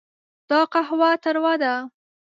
دا قهوه تروه ده.